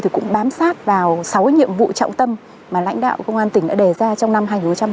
chúng tôi cũng bám sát vào sáu nhiệm vụ trọng tâm mà lãnh đạo công an tỉnh đã đề ra trong năm hai nghìn hai mươi bốn